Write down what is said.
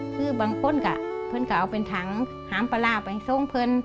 ซื้อบางคนก็เอาเป็นถังหามปลาไปส่งเพื่อน